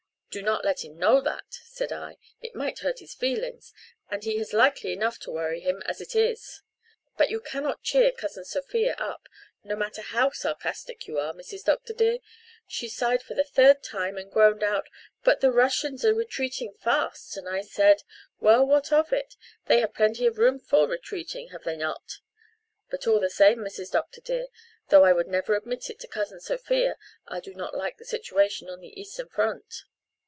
'Do not let him know that,' said I. 'It might hurt his feelings and he has likely enough to worry him as it is. But you cannot cheer Cousin Sophia up, no matter how sarcastic you are, Mrs. Dr. dear. She sighed for the third time and groaned out, 'But the Russians are retreating fast,' and I said, 'Well, what of it? They have plenty of room for retreating, have they not?' But all the same, Mrs. Dr. dear, though I would never admit it to Cousin Sophia, I do not like the situation on the eastern front."